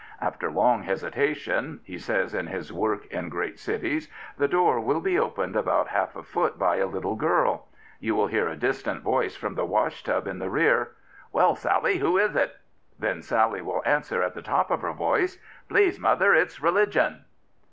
" After long hesitation," he says in his Work in Great Cities, " the door will be opened about half a foot by a little girl; you will hear a distant voice from the washtub in the rear, ' Well, Sally, who is it? ' Then Sally will answer at the top of her voice, ' Please, mother, it's religion.'